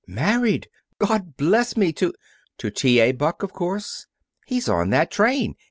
"Married! God bless me to " "To T. A. Buck, of course. He's on that train.